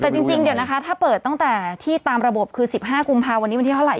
แต่จริงเดี๋ยวนะคะถ้าเปิดตั้งแต่ที่ตามระบบคือ๑๕กุมภาวันนี้วันที่เท่าไห